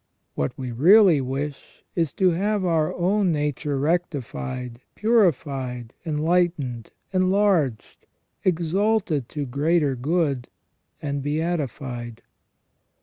What we really wish is to have our own nature rectified, purified, enlightened, enlarged, exalted to greater good, and beatified.